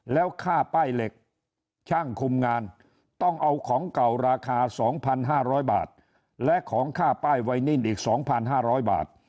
แล้วค่าป้ายเหล็กช่างคุมงานต้องเอาของเก่าราคา๒๕๐๐บาทและของค่าป้ายไวนิ่นอีก๒๕๐๐บาท